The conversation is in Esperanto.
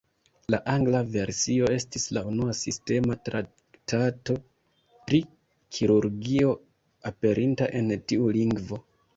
La angla versio estis la unua sistema traktato pri kirurgio aperinta en tiu lingvo.